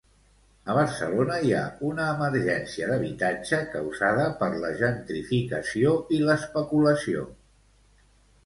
A Barcelona hi ha una emergència d'habitatge causada per la gentrificació i l'especulació.